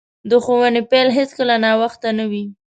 د ښوونې پیل هیڅکله ناوخته نه وي.